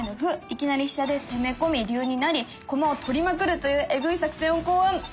いきなり飛車で攻め込み龍に成り駒を取りまくるというえぐい作戦を考案！